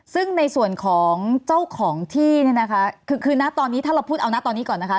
ซึ่งในส่วนของเจ้าของที่เนี่ยนะคะคือนะตอนนี้ถ้าเราพูดเอานะตอนนี้ก่อนนะคะ